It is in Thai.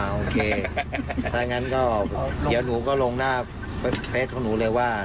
โอเคแต่ถ้างั้นก็เดี๋ยวหนูก็ลงหน้าเฟสของหนูเลยว่า